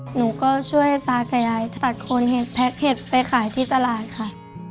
หนูก็ช่วยตากับยายตัดคนเห็ดแพ็กเห็ดไปขายที่ตลาดค่ะ